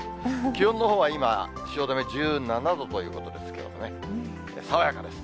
気温のほうは今、汐留１７度ということですね、きょうもね、爽やかです。